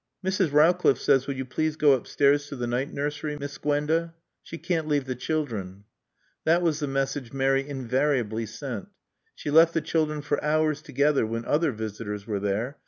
"Mrs. Rowcliffe says will you please go upstairs to the night nursery, Miss Gwenda. She can't leave the children." That was the message Mary invariably sent. She left the children for hours together when other visitors were there.